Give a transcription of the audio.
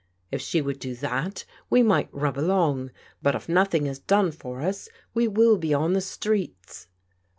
If she would do that, we might rub along, but if nothing is done for us we will be on the streets."